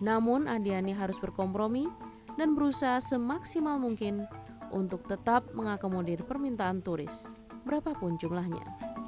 namun andiani harus berkompromi dan berusaha semaksimal mungkin untuk tetap mengakomodir permintaan turis berapapun jumlahnya